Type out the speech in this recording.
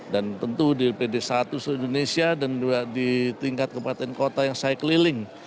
dan tentu di pd satu indonesia dan di tingkat keupatan kota yang saya keliling